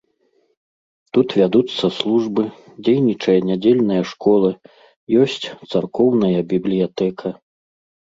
Тут вядуцца службы, дзейнічае нядзельная школа, ёсць царкоўная бібліятэка.